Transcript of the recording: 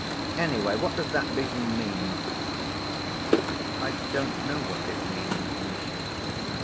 Anyway, what does that vision mean?" "I don't know what it means, Misha."